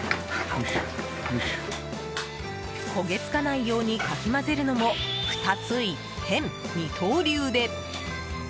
焦げ付かないようにかき混ぜるのも２ついっぺん、二刀流で。